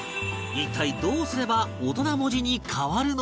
一体どうすれば大人文字に変わるのか？